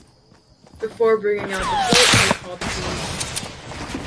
Before bringing out the float, they call the police.